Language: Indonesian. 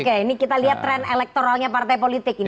oke ini kita lihat tren elektoralnya partai politik ini